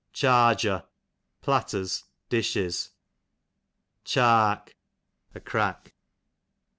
Charger, platters, dishes. Cliark, a crack.